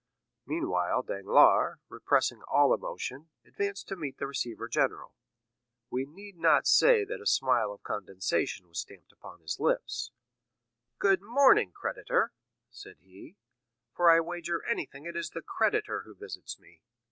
Meanwhile Danglars, repressing all emotion, advanced to meet the receiver general. We need not say that a smile of condescension was stamped upon his lips. "Good morning, creditor," said he; "for I wager anything it is the creditor who visits me."